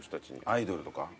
アイドルとか？